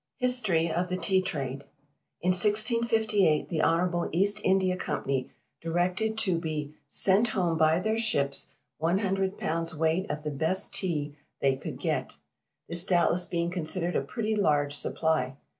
HISTORY OF THE TEA TRADE. In 1658, the Honourable East India Company directed to be "sent home by their ships one hundred pounds weight of the best Tea they could get," this doubtless being considered a pretty large supply.